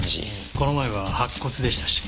この前は白骨でしたし。